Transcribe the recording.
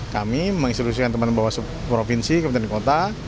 kami menginstitusikan teman teman bawaslu provinsi kabupaten kota